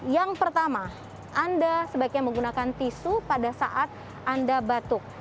yang pertama anda sebaiknya menggunakan tisu pada saat anda batuk